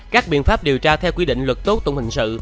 các biện pháp điều tra theo quy định luật tố tụng hình sự